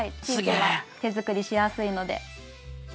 チーズは手作りしやすいので。